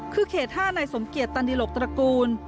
คือเขต๕นายสมเกียจตันดิหลกตระกูล